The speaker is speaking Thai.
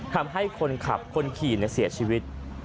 ทำให้คนขับคนขี่เสียชีวิต